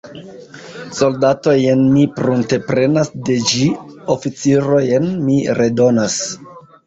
Soldatojn mi prunteprenas de ĝi, oficirojn mi redonas.